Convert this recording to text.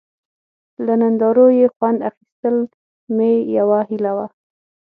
له نندارو یې خوند اخیستل مې یوه هیله وه.